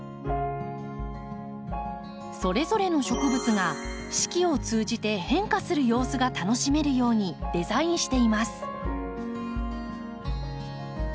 それぞれの植物が四季を通じて変化する様子が楽しめるようにデザインしています。